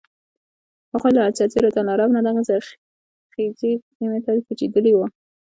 هغوی له جزیرة العرب نه دغې زرخیزې سیمې ته کوچېدلي وو.